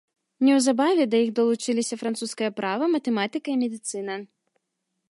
Неўзабаве да іх далучыліся французскае права, матэматыка і медыцына.